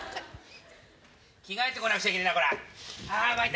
着替えてこなくちゃいけねえなこりゃ。